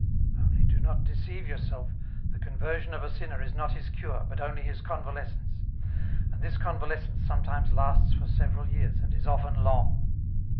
Only do not deceive yourself, the conversion of a sinner is not his cure, but only his convalescence ; and this convalescence sometimes lasts for several years and is often long.